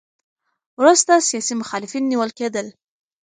وروسته سیاسي مخالفین نیول کېدل.